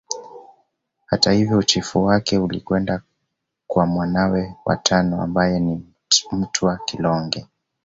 Hata hivyo uchifu wake ulikwenda kwa mwanawe wa tano ambaye ni Mtwa Kilonge